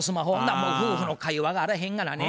もう夫婦の会話があらへんからね。